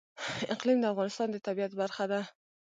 اقلیم د افغانستان د طبیعت برخه ده.